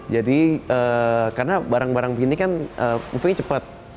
jadi karena barang barang begini kan mungkin cepat